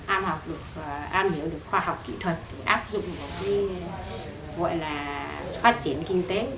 am hiểu được khoa học kỹ thuật áp dụng một cái gọi là phát triển kinh tế